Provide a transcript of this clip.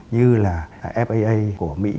như là faa của mỹ